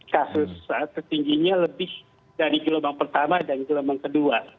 kasus tertingginya lebih dari gelombang pertama dan gelombang kedua